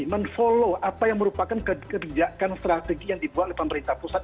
men follow apa yang merupakan kebijakan strategi yang dibuat oleh pemerintah pusat